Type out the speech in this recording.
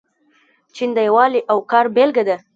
چین د یووالي او کار بیلګه ده.